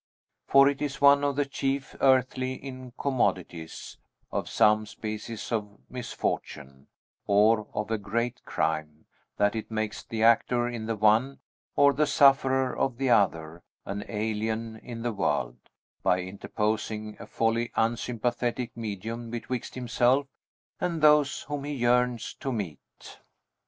For it is one of the chief earthly incommodities of some species of misfortune, or of a great crime, that it makes the actor in the one, or the sufferer of the other, an alien in the world, by interposing a wholly unsympathetic medium betwixt himself and those whom he yearns to meet.